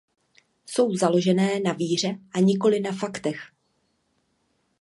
Jsou založené na víře a nikoli na faktech.